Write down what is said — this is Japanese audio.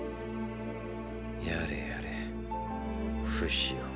やれやれフシよ